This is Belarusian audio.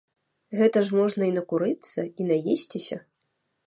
Гэта ж можна й накурыцца, й наесціся.